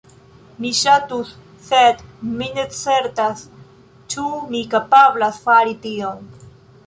Mi ŝatus, sed mi ne certas ĉu mi kapablas fari tion.